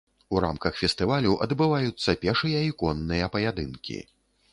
У рамках фестывалю адбываюцца пешыя і конныя паядынкі.